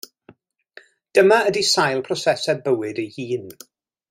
Dyma ydy sail prosesau bywyd ei hun.